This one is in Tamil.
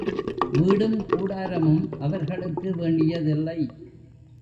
வீடும் கூடாரமும் அவர்களுக்கு வேண்டியதில்லை.